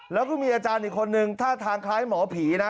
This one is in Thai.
แล้วก็มีอาจารย์อีกคนนึงท่าทางคล้ายหมอผีนะ